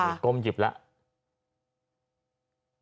นี่ก้มหยิบแล้ว